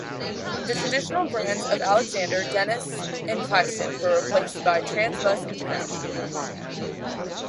The traditional brands of Alexander, Dennis and Plaxton were replaced by TransBus International.